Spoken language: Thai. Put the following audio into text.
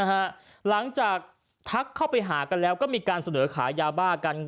หลังจากทักเข้าไปหากันแล้วก็มีการเสนอขายยาบ้ากัน